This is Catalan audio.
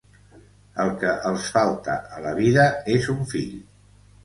El que els falta a la vida és un fill.